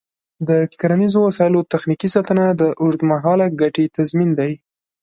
د کرنیزو وسایلو تخنیکي ساتنه د اوږدمهاله ګټې تضمین دی.